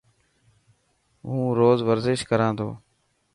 هون روز ورزش ڪران ٿو.